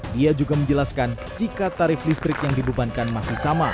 dia juga menjelaskan jika tarif listrik yang dibebankan masih sama